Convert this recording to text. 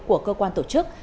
của cơ quan tổ chức